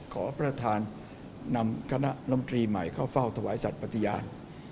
ขอประธานนำคณะลำตรีใหม่เข้าเฝ้าถวายสัตว์ปฏิญาณ